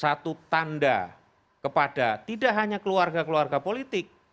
satu tanda kepada tidak hanya keluarga keluarga politik